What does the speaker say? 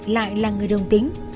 lại là người đông tính